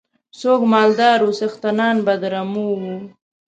څوک مالدار وو څښتنان به د رمو وو.